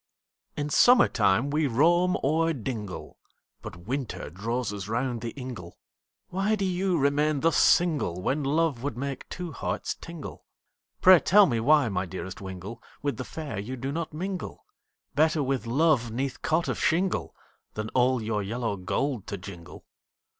In summer time we roam o'er dingle, But winter draws us round the ingle, Why do you remain thus single, When love would make two hearts tingle, Pray, tell me why my dearest wingle, With the fair you do not mingle, Better with love 'neath cot of shingle, Than all your yellow gold to jingle.